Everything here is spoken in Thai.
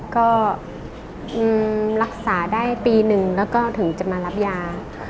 ก็รักษาได้ปีหนึ่งแล้วก็ถึงจะมารับยา